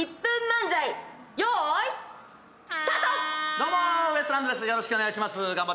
どうもウエストランドです、よろしくお願いします。